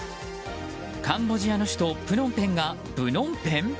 カンボジアの首都プノンペンがブノンペン？